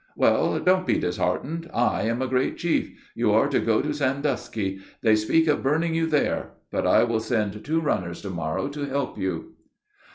"Well; don't be disheartened. I am a great chief. You are to go to Sandusky. They speak of burning you there. But I will send two runners to morrow to help you."